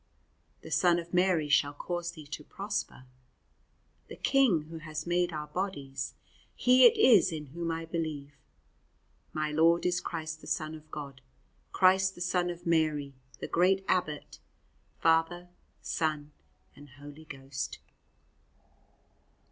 The Son of Mary shall cause thee to prosper. The King who has made our bodies He it is in whom I believe. My Lord is Christ the Son of God, Christ, the Son of Mary, the great abbot, Father, Son and Holy Ghost.